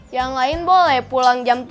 yang lain boleh pulang jam tujuh